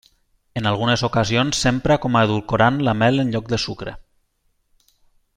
En algunes ocasions s'empra com a edulcorant la mel en lloc de sucre.